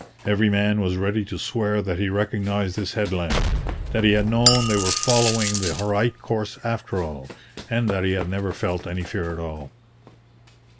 Every man was ready to swear that he recognized this headland, that he had known they were following the right course after all, and that he had never felt any fear at all.